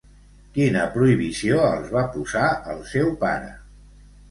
Quina prohibició els va posar el seu pare?